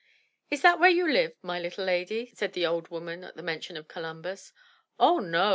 "Is that where you live, my little lady?" said the old woman at the mention of Columbus. "Oh, no!"